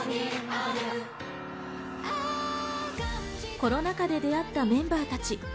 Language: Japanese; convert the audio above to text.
コロナ禍で出会ったメンバーたち。